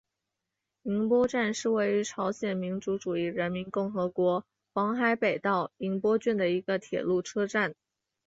银波站是位于朝鲜民主主义人民共和国黄海北道银波郡的一个铁路车站。